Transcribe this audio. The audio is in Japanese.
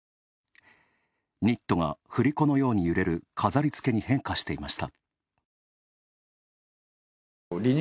ニットがふりこのように揺れる飾りつけに変化していました。